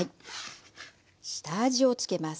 下味をつけます。